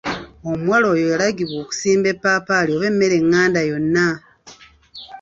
Omuwala oyo yalagibwa okusimba eppaapaali oba emmere enganda yonna.